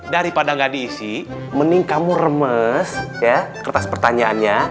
daripada gak diisi mending kamu remes ya kertas pertanyaannya